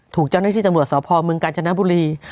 ถูกเจ้าหน้าที่ตำรวจสพเมืองกาญจนบุรี